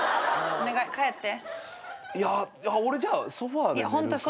お願い帰って。